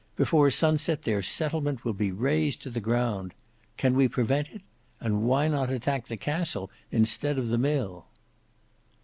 Before sunset their settlement will be razed to the ground. Can we prevent it? And why not attack the castle instead of the mill?"